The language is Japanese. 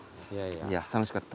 いや楽しかった。